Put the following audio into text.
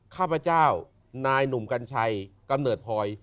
ข้าพเจ้านายหนุ่มกัญชัยกำเนิดพลอย